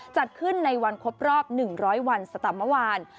จัดขึ้นในวันครบรอบหนึ่งร้อยวันสัตว์เมื่อวาน